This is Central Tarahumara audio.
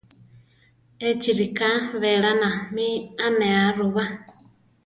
Échi ríka belána mi anéa ru ba.